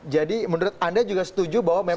jadi menurut anda juga setuju bahwa memang